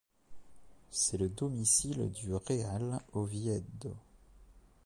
C'est le domicile du Real Oviedo.